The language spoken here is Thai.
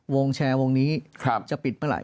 วงแชร์วงนี้จะปิดเมื่อไห